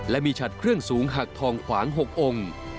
และมีฉัดเครื่องสูงหักทองขวาง๖องค์